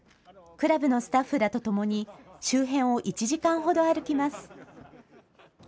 クラブのスタッフらと共に、周辺を１時間ほど歩きます。